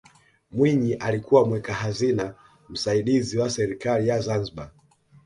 mwinyi alikuwa mweka hazina msaidizi wa serikali ya zanzibar